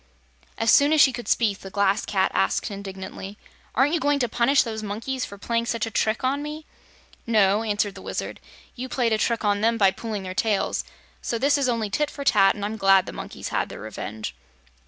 As soon as she could speak the Glass Cat asked indignantly: "Aren't you going to punish those monkeys for playing such a trick on me?" "No," answered the Wizard. "You played a trick on them by pulling their tails, so this is only tit for tat, and I'm glad the monkeys had their revenge."